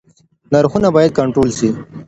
نرخونه بايد کنټرول سي.